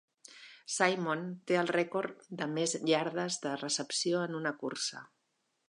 Simon té el rècord de més iardes de recepció en una cursa.